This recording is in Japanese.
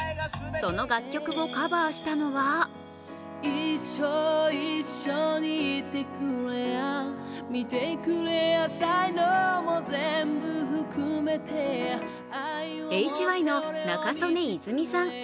その楽曲をカバーしたのはＨＹの仲宗根泉さん。